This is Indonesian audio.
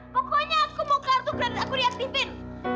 pokoknya aku mau kartu berarti aku diaktifin